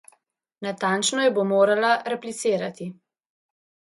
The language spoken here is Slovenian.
Natančno jo bo morala replicirati.